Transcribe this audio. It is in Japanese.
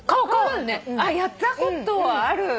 やったことある。